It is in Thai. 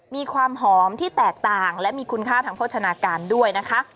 มีความหอมที่แตกต่างและมีคุณค่าทางโภชนาการด้วยนะคะ